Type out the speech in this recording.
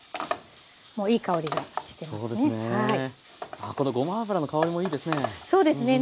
あこのごま油の香りもいいですね。